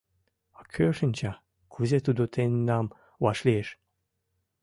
— Кӧ шинча, кузе тудо тендам вашлиеш.